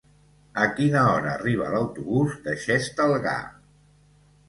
A quina hora arriba l'autobús de Xestalgar?